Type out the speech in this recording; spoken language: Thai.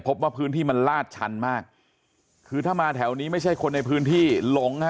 พบว่าพื้นที่มันลาดชันมากคือถ้ามาแถวนี้ไม่ใช่คนในพื้นที่หลงฮะ